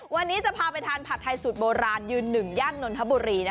วันนี้จะพาไปทานผัดไทยสูตรโบราณยืนหนึ่งย่านนทบุรี